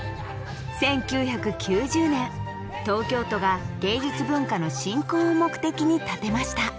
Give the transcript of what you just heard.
１９９０年東京都が芸術文化の振興を目的に建てました。